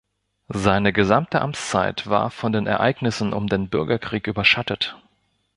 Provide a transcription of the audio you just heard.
Seine gesamte Amtszeit war von den Ereignissen um den Bürgerkrieg überschattet.